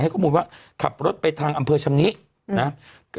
ให้ก็บุญว่าขับรถไปทางอำเภอชำนินะฮะ